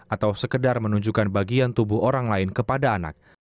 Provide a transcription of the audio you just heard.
atau sekedar menunjukkan bagian tubuh orang lain kepada anak